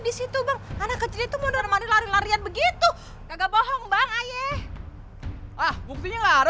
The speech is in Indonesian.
disitu bang anak kecil itu menerima lari larian begitu kagak bohong bang ayo ah buktinya ada